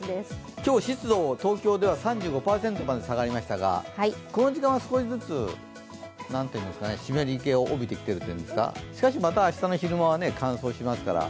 今日、湿度、東京では３５％まで下がりましたがこの時間は少しずつ湿り気を帯びてきているというんですかしかし、また明日の昼間は乾燥しますから。